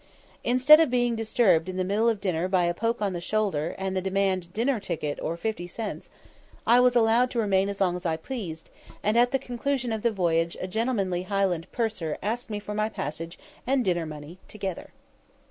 Instead of being disturbed in the middle of dinner by a poke on the shoulder, and the demand, "Dinner ticket, or fifty cents," I was allowed to remain as long as I pleased, and at the conclusion of the voyage a gentlemanly Highland purser asked me for my passage and dinner money together.